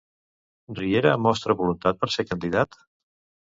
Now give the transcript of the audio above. Riera mostra voluntat per ser candidat?